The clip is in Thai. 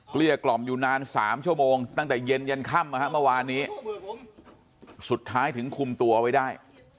เกี้ยกล่อมอยู่นาน๓ชั่วโมงตั้งแต่เย็นยันค่ำเมื่อวานนี้สุดท้ายถึงคุมตัวไว้ได้